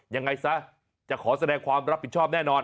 ยังไงซะจะขอแสดงความรับผิดชอบแน่นอน